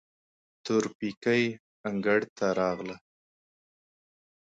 تورپيکۍ انګړ ته راغله.